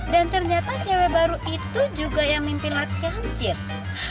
dan ternyata cewek baru itu juga yang mimpi latihan cheers